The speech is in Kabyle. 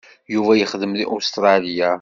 Yuba yexdem deg Ustṛalya.